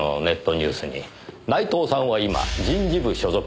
ニュースに内藤さんは今人事部所属とありました。